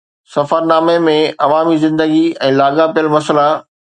سفرنامي ۾ عوامي زندگي ۽ لاڳاپيل مسئلا